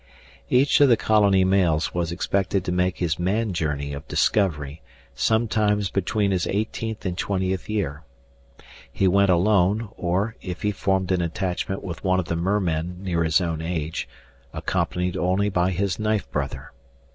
Each of the colony males was expected to make his man journey of discovery sometimes between his eighteenth and twentieth year. He went alone or, if he formed an attachment with one of the mermen near his own age, accompanied only by his knife brother.